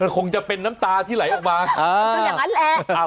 คงจะเป็นน้ำตาที่ไหลออกมาก็อย่างนั้นแหละ